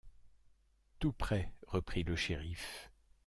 Tout près, reprit le shériff.